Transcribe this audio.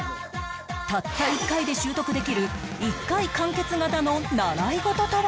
たった１回で習得できる一回完結型の習い事とは？